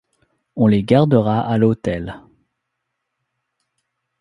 On les gardera à l’hôtel.